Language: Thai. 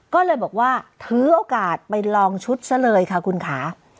ก็เลยบอกว่าถือโอกาสไปลองชุดซะเลยค่ะคุณค่ะ